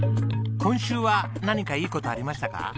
今週は何かいい事ありましたか？